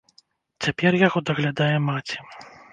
Цяпер яго даглядае маці.